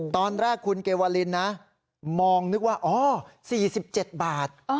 ตอนแรกคุณเกวาลินนะมองนึกว่าอ๋อ๔๗บาท